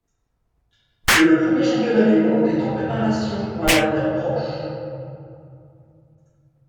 Le premier championnat du monde est en préparation pour un avenir proche.